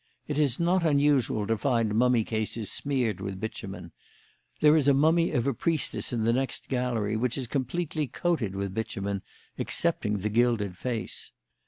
It is not unusual to find mummy cases smeared with bitumen; there is a mummy of a priestess in the next gallery which is completely coated with bitumen excepting the gilded face.